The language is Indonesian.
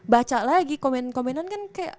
baca lagi komen komenan kan kayak